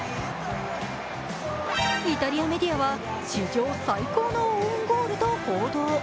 イタリアメディアは史上最高のオウンゴールと報道。